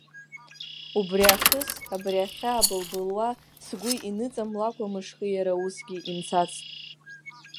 Убри аахыс, абри ахьаа былбылуа сгәы иныҵамлакәа мышкы иара усгьы имцацт.